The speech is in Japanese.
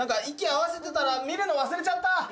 息合わせてたら見るの忘れちゃった。